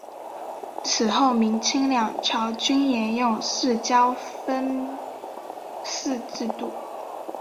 此后明清两朝均沿用四郊分祀制度。